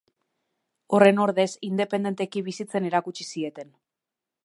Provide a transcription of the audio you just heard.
Horren ordez, independenteki bizitzen erakutsi zieten.